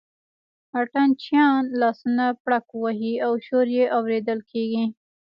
اتڼ چیان لاسونه پړک وهي او شور یې اورېدل کېږي.